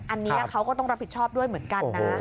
อันนี้เขาก็ต้องรับผิดชอบด้วยเหมือนกันนะ